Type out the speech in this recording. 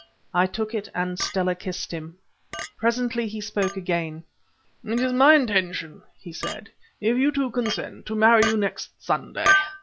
I took it, and Stella kissed him. Presently he spoke again— "It is my intention," he said, "if you two consent, to marry you next Sunday.